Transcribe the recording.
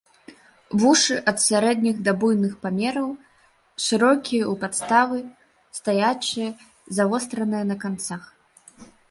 Вушы ад сярэдніх да буйных памераў, шырокія ў падставы, стаячыя, завостраныя на канцах.